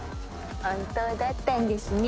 本当だったんですねえ。